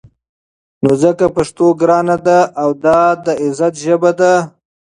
نو ځکه پښتو ګرانه ده او دا د عزت ژبه ده.